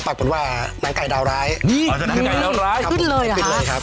เป็นเมื่อเราจะทางนางไก่ดาวร้ายพิดเลยครับ